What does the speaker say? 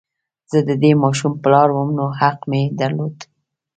زه د دې ماشوم پلار وم نو حق مې درلود